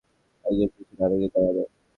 একজনের পিছনে আরেকজন দাঁড়ানো।